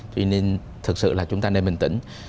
cho nên thực sự là chúng ta nên bình tĩnh